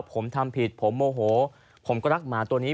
ผมทำผิดผมโมโหผมก็รักหมาตัวนี้